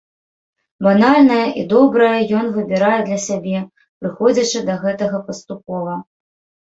Банальнае і добрае ён выбірае для сябе, прыходзячы да гэтага паступова.